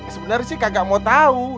sebenarnya sih kagak mau tahu